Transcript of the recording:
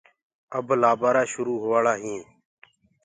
اب لآبآرآ شروُ هوآݪآ هينٚ۔